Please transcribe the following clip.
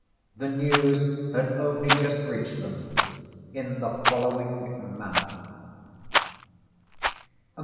The news had only just reached them in the following manner.